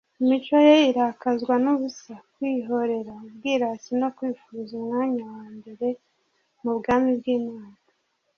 Imico ye irakazwa n'ubusa, kwihorera, ubwirasi no kwifuza umwanya wa mbere mu bwami bw'Imana,